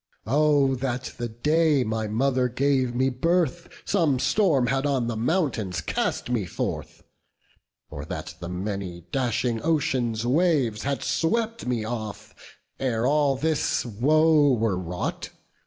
Oh that the day my mother gave me birth Some storm had on the mountains cast me forth! Or that the many dashing ocean's waves Had swept me off, ere all this woe were wrought!